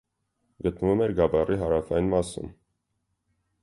Գտնվում էր գավառի հարավային մասում։